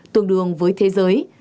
tương đương với thế giới